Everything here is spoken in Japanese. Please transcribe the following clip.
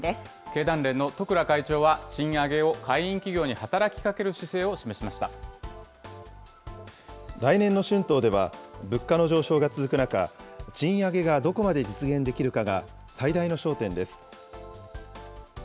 経団連の十倉会長は、賃上げを会員企業に働きかける姿勢を示来年の春闘では、物価の上昇が続く中、賃上げがどこまで実現できるかが最大の焦点です。